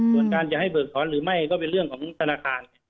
ส่วนการจะให้เบิกถอนหรือไม่ก็เป็นเรื่องของธนาคาร